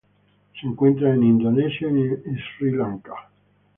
Se encuentra en Indonesia y Sri Lanka.